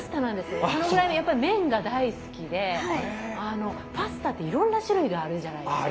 そのぐらいやっぱ麺が大好きでパスタっていろんな種類があるじゃないですか。